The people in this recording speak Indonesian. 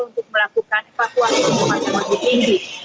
untuk melakukan pembangunan